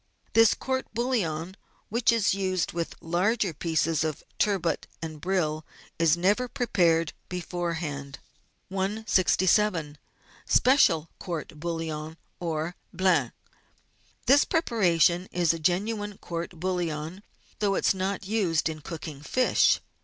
This court bouillon, which is used with large pieces of turbot and brill, is never prepared beforehand. 167— SPECIAL COURT BOUILLON, OR BLANC This preparation is a genuine court bouillon, though it is not used in cooking fish.